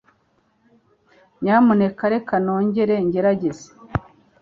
Nyamuneka reka nongere ngerageze.